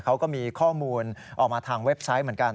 เขาก็มีข้อมูลออกมาทางเว็บไซต์เหมือนกัน